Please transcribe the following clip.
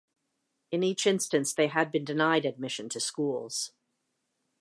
In each instance, they had been denied admission to schools.